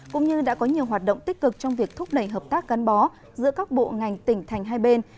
cũng như đã có nhiều hoạt động tích cực trong việc thúc đẩy hợp tác gắn bó giữa các bộ ngành tỉnh thành hai bên